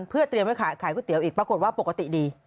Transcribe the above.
เพื่อเตรียมไว้ขายก๋วยเตี๋ยวอีกปรากฏว่าปกติดี